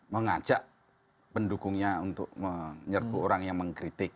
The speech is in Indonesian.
mengajak pendukungnya untuk menyerbu orang yang mengkritik